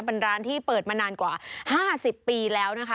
เป็นร้านที่เปิดมานานกว่า๕๐ปีแล้วนะคะ